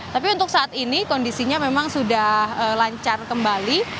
tapi untuk saat ini kondisinya memang sudah lancar kembali